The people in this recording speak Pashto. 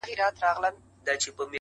د لاسونو په پياله کې اوښکي راوړې’